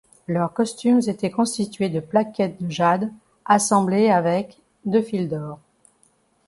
Leurs costumes étaient constitués de plaquettes de jade assemblées avec de fil d'or.